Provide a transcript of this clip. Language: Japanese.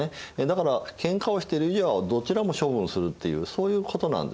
だから喧嘩をしている以上はどちらも処分するっていうそういうことなんですね。